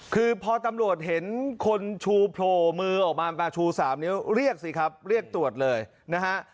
คือพอตำรวจเห็นคนชูโผล่มือออกมาปลาชู๓นิ้วเรียกสิครับเรียกตรวจเลยนะฮะ